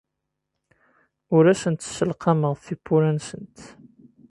Ur asent-sselqameɣ tiwwura-nsent.